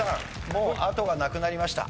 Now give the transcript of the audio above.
もうあとがなくなりました。